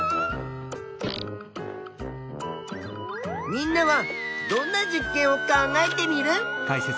みんなはどんな実験を考えテミルン？